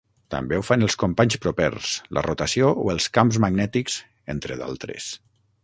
També ho fan els companys propers, la rotació o els camps magnètics, entre d'altres.